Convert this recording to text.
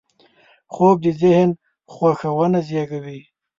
خوب د ذهن خوښونه زېږوي